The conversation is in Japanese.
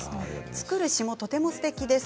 作る詩集もとてもすてきです。